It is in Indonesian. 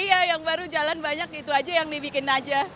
iya yang baru jalan banyak itu aja yang dibikin aja